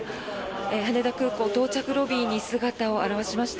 羽田空港到着ロビーに姿を現しました。